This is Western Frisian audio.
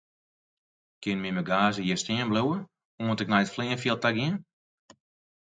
Kin myn bagaazje hjir stean bliuwe oant ik nei it fleanfjild ta gean?